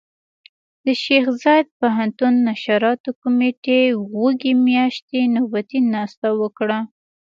د شيخ زايد پوهنتون نشراتو کمېټې وږي مياشتې نوبتي ناسته وکړه.